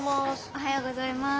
おはようございます。